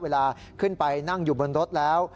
เวลาขึ้นไปนั่งอยู่บนรถแล้ว